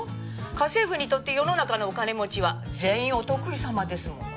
家政婦にとって世の中のお金持ちは全員お得意様ですもの。